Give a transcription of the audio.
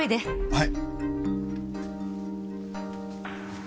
はい！